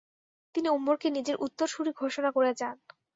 তিনি উমরকে নিজের উত্তরসূরি ঘোষণা করে যান।